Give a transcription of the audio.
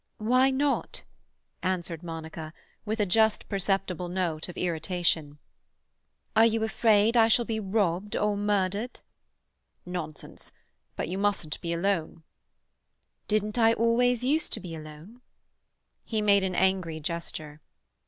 "Why not?" answered Monica, with a just perceptible note of irritation. "Are you afraid I shall be robbed or murdered?" "Nonsense. But you mustn't be alone." "Didn't I always use to be alone?" He made an angry gesture.